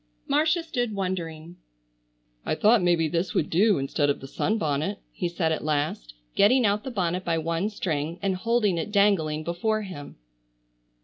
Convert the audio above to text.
Marcia stood wondering. "I thought maybe this would do instead of the sunbonnet," he said at last, getting out the bonnet by one string and holding it dangling before him.